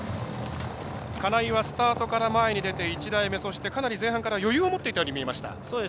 金井はスタートから前に出て１台目そしてかなり前半から余裕を持っていたように見えました。